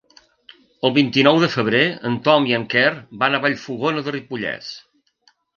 El vint-i-nou de febrer en Tom i en Quer van a Vallfogona de Ripollès.